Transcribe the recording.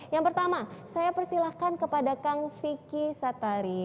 yang pertama saya persilahkan kepada kang vicky satari